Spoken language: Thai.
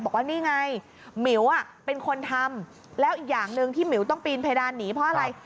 บอกว่านี่ไงหมิวเป็นคนทำแล้วอีกอย่างหนึ่งที่หมิวต้องปีนเพดานหนีเพราะอะไร